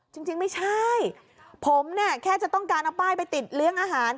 จริงไม่ใช่ผมเนี่ยแค่จะต้องการเอาป้ายไปติดเลี้ยงอาหาร